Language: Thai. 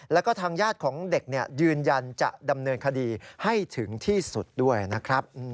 แล้วก็ทางญาติของเด็กยืนยันจะดำเนินคดีให้ถึงที่สุดด้วยนะครับ